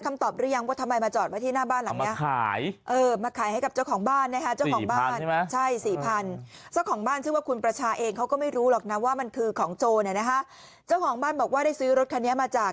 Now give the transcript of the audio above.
ก็ได้แจ้งความรู้สึกเลย